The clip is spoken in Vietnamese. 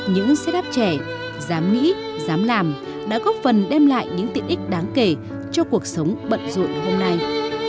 những xe đáp trẻ dám nghĩ dám làm đã góp phần đem lại những tiện ích đáng kể cho cuộc sống bận rộn hôm nay